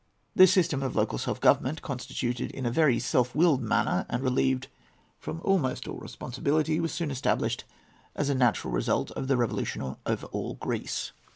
This I system of local self government, constituted in a very self willed manner, and relieved from almost all responsibility, was soon established as a natural result of the Revolution over all Greece.